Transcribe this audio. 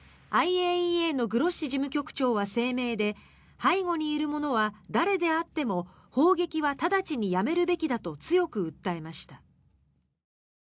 ＩＡＥＡのグロッシ事務局長は声明で背後にいる者は誰であっても砲撃はただちにやめるべきだと強く訴えました。